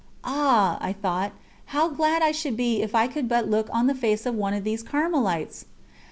"Ah!" I thought, "how glad I should be if I could but look on the face of one of these Carmelites!"